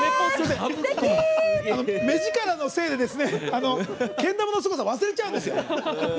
目力のせいでけん玉のすごさ忘れちゃうんですよ。